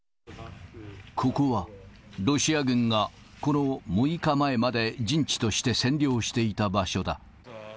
ここは、ロシア軍がこの６日前まで陣地として占領していた場所だ。